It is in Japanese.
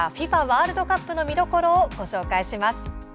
ワールドカップの見どころを紹介します。